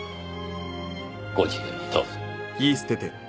ご自由にどうぞ。